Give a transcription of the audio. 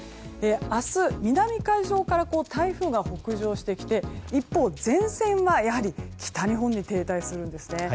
明日、南海上から台風が北上してきて一方、前線はやはり北日本に停滞するんですね。